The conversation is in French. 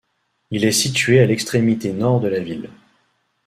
Il est situé à l'extrémité nord de la ville.